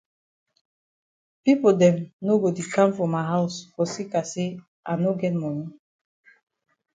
Pipo dem no go di kam for ma haus for seka say I no get moni.